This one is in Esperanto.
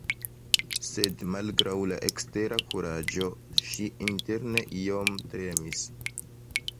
Sed malgraŭ la ekstera kuraĝo, ŝi interne iom tremis.